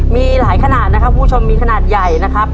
มีหลายขนาดนะครับคุณผู้ชมมีขนาดใหญ่นะครับ